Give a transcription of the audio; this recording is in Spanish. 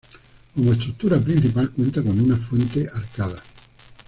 Como estructura principal, cuenta con una fuente arcada.